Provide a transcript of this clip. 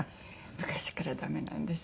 昔からダメなんです。